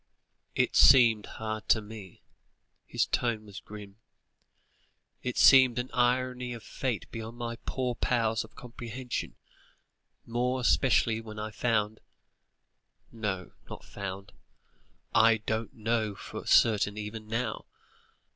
"It seemed hard to me," his tone was grim; "it seemed an irony of fate beyond my poor powers of comprehension, more especially when I found no, not found I don't know for certain even now.